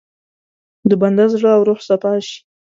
د بنده زړه او روح صفا شي.